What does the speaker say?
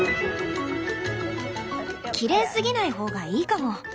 きれいすぎない方がいいかも。